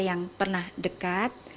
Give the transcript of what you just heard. yang pernah dekat